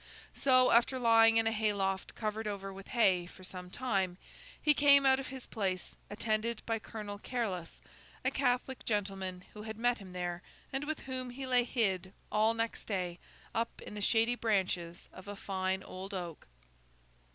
So, after lying in a hayloft covered over with hay, for some time, he came out of his place, attended by Colonel Careless, a Catholic gentleman who had met him there, and with whom he lay hid, all next day, up in the shady branches of a fine old oak.